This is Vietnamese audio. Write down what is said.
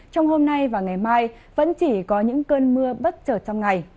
trong hôm nay và ngày mai vẫn chỉ có những cơn mưa bất chợt trong ngày